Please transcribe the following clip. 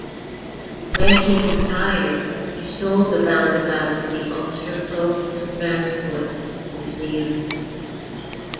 When he retired he sold the roundabout to the Ulster Folk and Transport Museum.